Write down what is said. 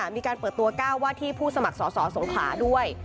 มีการเปิดตัว๙ว่าที่ผู้สมัครสอสอสงขลาด้วย